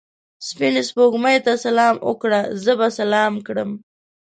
سپینې سپوږمۍ ته سلام وکړه؛ زه به سلام کړم.